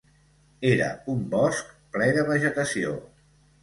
Era un bosc ple de vegetació.